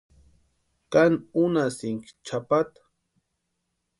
¿Káni únhasïnki chʼapata?